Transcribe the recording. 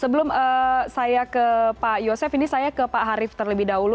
sebelum saya ke pak yosef ini saya ke pak harif terlebih dahulu